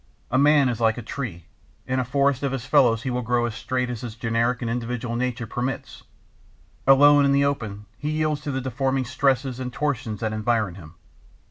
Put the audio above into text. A man is like a tree: in a forest of his fellows he will grow as straight as his generic and individual nature permits; alone in the open, he yields to the deforming stresses and tortions that environ him.